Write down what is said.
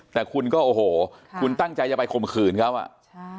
แต่คุณก็โอ้โหคุณตั้งใจจะไปข่มขืนเขาอ่ะใช่